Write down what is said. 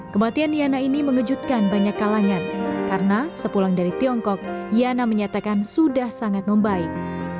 kematian yana ini mengejutkan banyak kalangan karena sepulang dari tiongkok yana menyatakan sudah sangat membaik